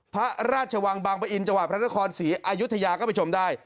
พระราชวังบางปะอินจังหวัดพระนครศรีอายุทยาก็ไปชมได้